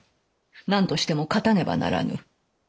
何としても勝たねばならぬ。